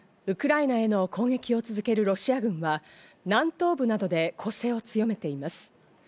ウクライナへの攻撃を続けるロシア軍は南東部などで攻勢を強めています。